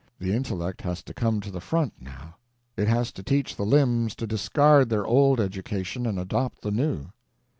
The intellect has to come to the front, now. It has to teach the limbs to discard their old education and adopt the new.